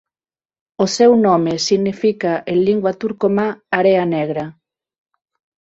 O seu nome significa en lingua turcomá "area negra".